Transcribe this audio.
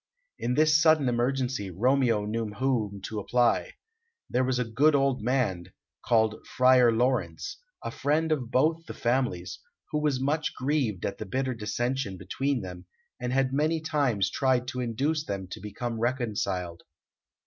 In this sudden emergency Romeo knew to whom to apply. There was a good old man, called Friar Laurence, a friend of both the families, who was much grieved at the bitter dissension between them, and had many times tried to induce them to become reconciled.